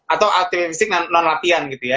atau aktivitas fisik non latian gitu ya